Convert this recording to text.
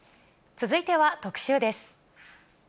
続いては特集です。